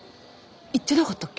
言ってなかったっけ？